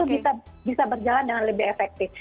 itu bisa berjalan dengan lebih efektif